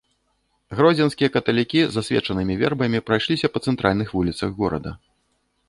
Гродзенскія каталікі з асвечанымі вербамі прайшліся па цэнтральных вуліцах горада.